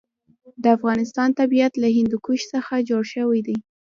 د افغانستان طبیعت له هندوکش څخه جوړ شوی دی.